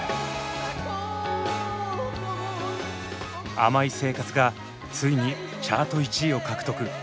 「甘い生活」がついにチャート１位を獲得。